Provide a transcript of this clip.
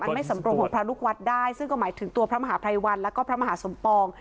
ไม่สำรงของพระลูกวัดได้ซึ่งก็หมายถึงตัวพระมหาภัยวันแล้วก็พระมหาสมปอง